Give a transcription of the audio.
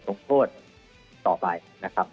ลงโทษต่อไปนะครับ